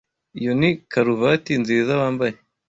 Iyo ni karuvati nziza wambaye.